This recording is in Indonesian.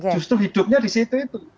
justru hidupnya di situ itu